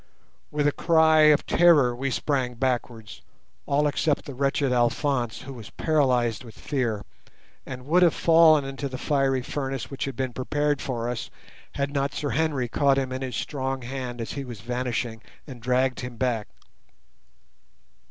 With a cry of terror we sprang backwards, all except the wretched Alphonse, who was paralysed with fear, and would have fallen into the fiery furnace which had been prepared for us, had not Sir Henry caught him in his strong hand as he was vanishing and dragged him back.